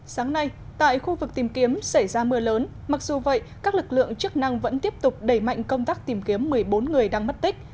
sáng nay tại khu vực tìm kiếm xảy ra mưa lớn mặc dù vậy các lực lượng chức năng vẫn tiếp tục đẩy mạnh công tác tìm kiếm một mươi bốn người đang mất tích